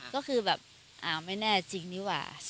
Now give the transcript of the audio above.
ก็คือแบบอ้าวไม่แน่จริงนี่หว่า